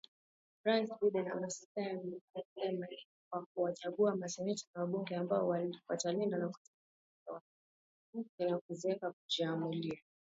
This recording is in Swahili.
Rais Biden asema ni kwa kuwachagua maseneta na wabunge ambao watalinda na kutetea haki za wanawake na kuweza kujiamulia.